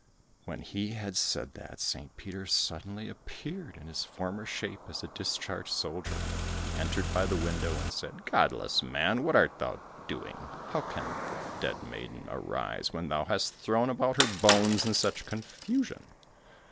When he had said that, St. Peter suddenly appeared in his former shape as a discharged soldier; he entered by the window and said, "Godless man, what art thou doing? How can the dead maiden arise, when thou hast thrown about her bones in such confusion?"